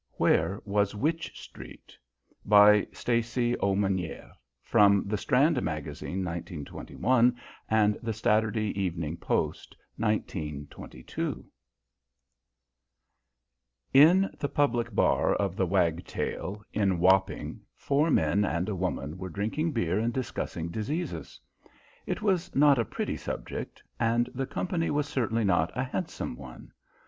WHERE WAS WYCH STREET? By STACY AUMONIER (From The Strand Magazine and The Saturday Evening Post) 1921, 1922 In the public bar of the Wagtail, in Wapping, four men and a woman were drinking beer and discussing diseases. It was not a pretty subject, and the company was certainly not a handsome one.